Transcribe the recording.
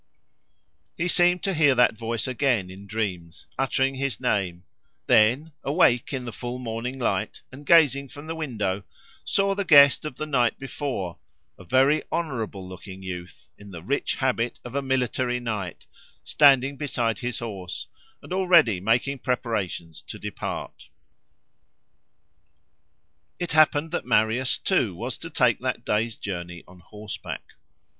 He seemed to hear that voice again in dreams, uttering his name: then, awake in the full morning light and gazing from the window, saw the guest of the night before, a very honourable looking youth, in the rich habit of a military knight, standing beside his horse, and already making preparations to depart. It happened that Marius, too, was to take that day's journey on horseback.